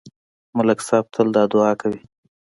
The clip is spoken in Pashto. ملک صاحب تل دا دعا کوي